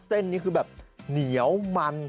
เส้นนี้คือแบบเหนียวมัน